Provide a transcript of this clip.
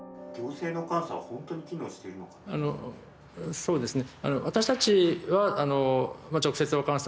あのそうですね